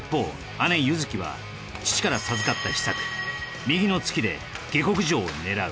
姉・優月は父から授かった秘策右の突きで下克上を狙う